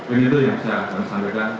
ini itu yang saya sampaikan